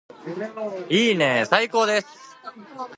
いいねーー最高です